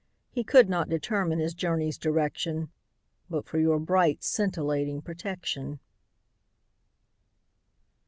He could not determine his journey's direction But for your bright scintillating protection.